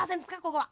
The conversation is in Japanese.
ここは。